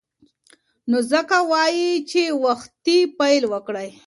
نو ځکه وایم چې وختي پیل وکړئ.